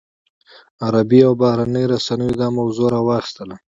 عربي او بهرنیو رسنیو دا موضوع راواخیسته.